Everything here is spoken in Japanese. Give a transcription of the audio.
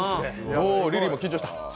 リリーも緊張した？